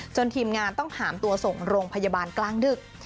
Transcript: ทีมงานต้องหามตัวส่งโรงพยาบาลกลางดึก